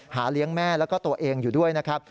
เลี้ยงแม่แล้วก็ตัวเองอยู่ด้วยนะครับ